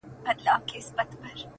چاته د يار خبري ډيري ښې ديa